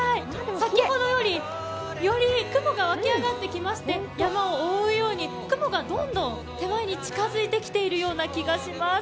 先ほどより、より雲がわき上がってきまして山を覆うように雲がどんどん手前に近づいてきているような気がします。